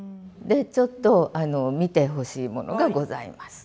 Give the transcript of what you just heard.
でちょっと見てほしいものがございます。